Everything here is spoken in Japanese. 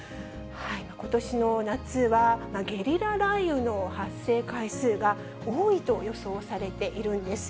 ことしの夏は、ゲリラ雷雨の発生回数が多いと予想されているんです。